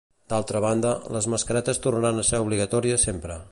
D'altra banda, les mascaretes tornaran a ser obligatòries sempre.